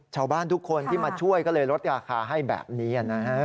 ชาวบ้านทุกคนที่มาช่วยก็เลยลดราคาให้แบบนี้นะฮะ